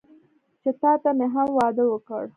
چې تاته مې هم واده وکړ.